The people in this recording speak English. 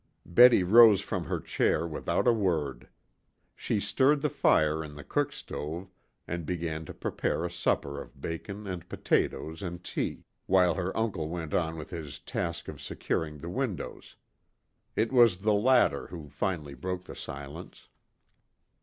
Betty rose from her chair without a word. She stirred the fire in the cook stove, and began to prepare a supper of bacon and potatoes and tea, while her uncle went on with his task of securing the windows. It was the latter who finally broke the silence.